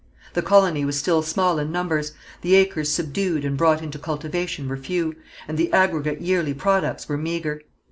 The colony was still small in numbers, the acres subdued and brought into cultivation were few, and the aggregate yearly products were meagre.